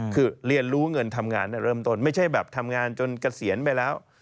คือเรียนรู้เงินทำงานเริ่มต้นไม่ใช่แบบทำงานจนเกษียณไปแล้ว